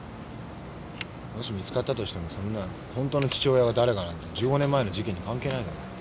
もし見つかったとしてもそんな本当の父親が誰かなんて１５年前の事件に関係ないだろ。